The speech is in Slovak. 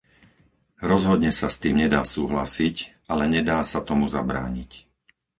Rozhodne sa s tým nedá súhlasiť, ale nedá sa tomu zabrániť.